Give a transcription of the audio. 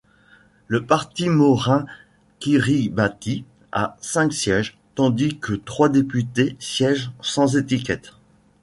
Le parti Maurin Kiribati a cinq sièges, tandis que trois députés siègent sans étiquette.